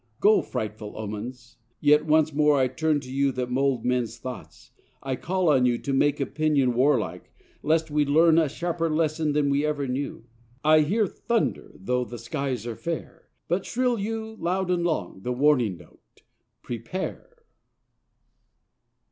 Go, frightful omens. Yet once more I turn To you that mould men's thoughts; I call on you To make opinion warlike, lest we learn A sharper lesson than we ever knew. I hear a thunder though the skies are fair, But shrill you, loud and long, the warning note: Prepare!